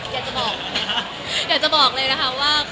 อยากจะบอกเลยนะคะว่า